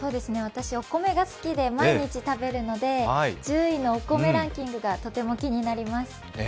私、お米が好きで毎日食べるので１０位のお米ランキングがとても気になります。